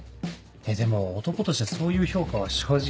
えっでも男としてそういう評価は正直。